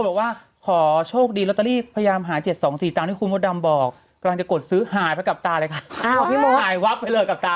บอกว่าขอโชคดีลอตเตอรี่พยายามหาย๗๒๔ตามที่คุณมดดำบอกกำลังจะกดซื้อหายไปกับตาเลยค่ะ